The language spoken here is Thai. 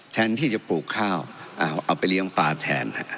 แทนที่จะปลูกข้าวเอาไปเลี้ยงปลาแทน